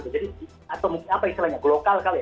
jadi atau mungkin apa istilahnya lokal kali ya